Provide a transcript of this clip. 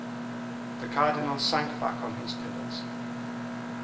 The cardinal sank back on his pillows.